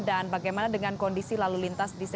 dan bagaimana dengan kondisi lalu lintas yang terjadi di sana